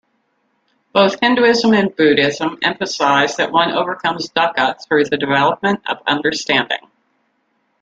Both Hinduism and Buddhism emphasize that one overcomes "dukha" through the development of understanding.